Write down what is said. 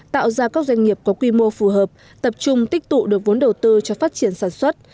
tạo ra các doanh nghiệp có quy mô phù hợp tập trung tích tụ được vốn đầu tư cho phát triển sản xuất